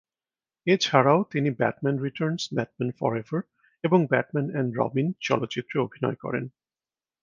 এছাড়াও তিনি "Batman Returns", "Batman Forever" এবং "ব্যাটম্যান অ্যান্ড রবিন" চলচ্চিত্রে অভিনয় করেন।